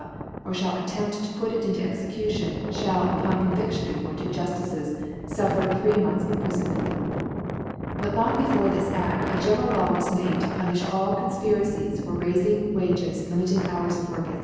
or (hall attempt to put * it in Execution, (hall, upon Cbnviftion * before two Juftices, Mkv three Months * Imprifonment +.* But lor>g before this A£t, a general Lav^r was made x^ to punifH all Confpiracies for faifmg Wages, Hmiting Hours of Work, 6f^.